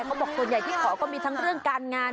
เขาบอกส่วนใหญ่ที่ขอก็มีทั้งเรื่องการงาน